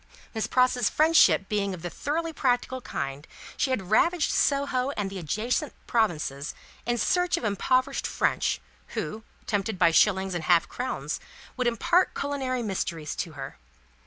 Miss Pross's friendship being of the thoroughly practical kind, she had ravaged Soho and the adjacent provinces, in search of impoverished French, who, tempted by shillings and half crowns, would impart culinary mysteries to her.